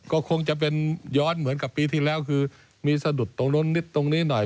ก็คงจะเป็นย้อนเหมือนกับปีที่แล้วคือมีสะดุดตรงนู้นนิดตรงนี้หน่อย